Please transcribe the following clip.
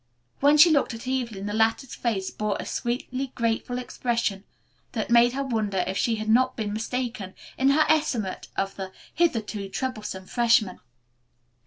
When she looked at Evelyn the latter's face bore a sweetly grateful expression that made her wonder if she had not been mistaken in her estimate of the, hitherto, troublesome freshman.